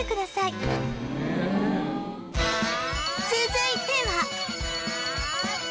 続いては